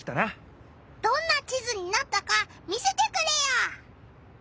どんな地図になったか見せてくれよ！